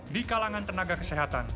di kalangan tenaga kesehatan